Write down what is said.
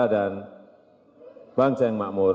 dan bangsa yang makmur